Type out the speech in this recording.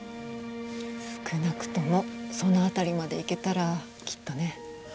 少なくともその辺りまで行けたらきっとね。